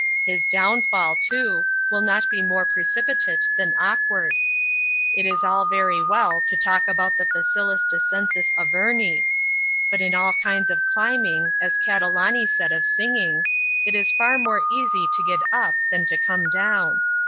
His downfall, too, will not be more precipitate than awkward. It is all very well to talk about the facilis descensus Averni; but in all kinds of climbing, as Catalani said of singing, it is far more easy to get up than to come down.